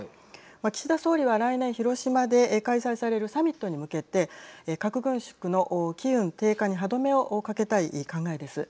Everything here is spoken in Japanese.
岸田総理は来年広島で開催されるサミットに向けて核軍縮の機運低下に歯止めをかけたい考えです。